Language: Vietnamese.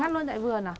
ngắt luôn tại vườn à